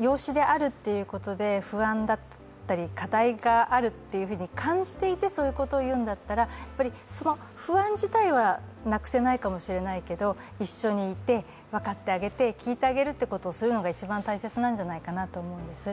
養子であるということで不安だったり課題があるっていうふうに感じていてそういうことを言うんだったらその不安自体はなくせないかもしれないけど一緒にいて、分かってあげて聞いてあげるということをするのが一番大切なんじゃないかなと思うんです。